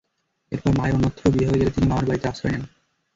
এরপর মায়ের অন্যত্র বিয়ে হয়ে গেলে তিনি মামার বাড়িতে আশ্রয় নেন।